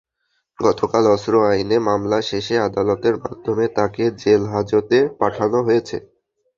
গতকাল অস্ত্র আইনে মামলা শেষে আদালতের মাধ্যমে তাঁকে জেলহাজতে পাঠানো হয়েছে।